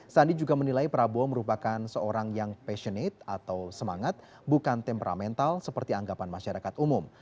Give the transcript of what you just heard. sandi juga menilai prabowo merupakan seorang yang passionate atau semangat bukan temperamental seperti anggapan masyarakat umum